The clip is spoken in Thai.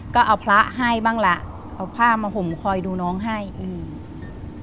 ก็เอาพระให้บ้างล่ะเอาผ้ามาห่มคอยดูน้องให้อืม